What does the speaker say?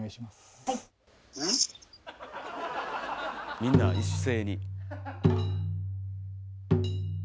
みんな一斉に。